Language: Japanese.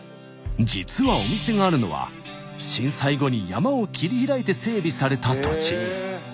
実はお店があるのは震災後に山を切り開いて整備された土地。